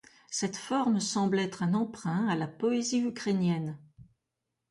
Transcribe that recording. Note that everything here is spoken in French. Cette forme semble être un emprunt à la poésie ukrainienne.